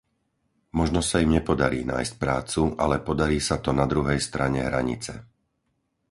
Možno sa im nepodarí nájsť prácu, ale podarí sa to na druhej strane hranice.